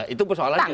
itu persoalan lain